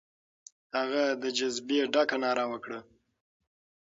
هغه د جذبې ډکه ناره وکړه.